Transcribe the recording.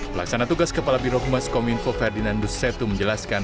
pelaksana tugas kepala birohmas komunikasi ferdinandus setu menjelaskan